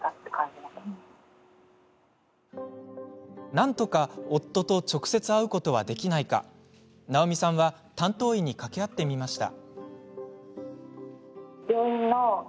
なんとか夫と直接会うことはできないかなおみさんは、担当医にかけ合ってみました。